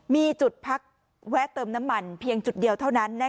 มีจุดพักแวะเติมน้ำมันเพียงจุดเดียวเท่านั้น